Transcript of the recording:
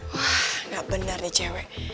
wah gak benar nih cewek